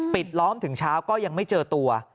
ล้อมถึงเช้าก็ยังไม่เจอตัว